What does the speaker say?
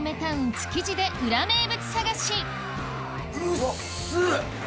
築地で裏名物探しうっす！